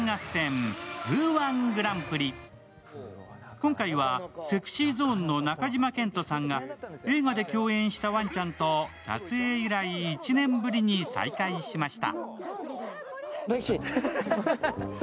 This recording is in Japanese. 今回はＳｅｘｙＺｏｎｅの中島健人さんが映画で共演したワンちゃんと撮影以来１年ぶりに再会しました。